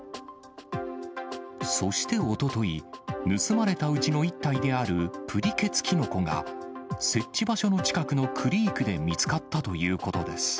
そしておととい、盗まれたうちの１体である、プリけつきのこが、設置場所の近くのクリークで見つかったということです。